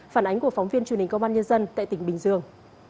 phản ánh của phóng viên truyền hình công an nhân dân tại tỉnh bình dương